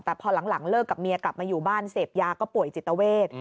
แต่พอหลังเลิกกับเมียกลับมาอยู่บ้านเสพยาก็ป่วยจิตเวท